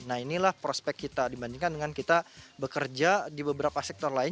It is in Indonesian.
nah inilah prospek kita dibandingkan dengan kita bekerja di beberapa sektor lain